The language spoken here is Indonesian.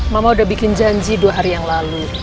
mama udah bikin janji dua hari yang lalu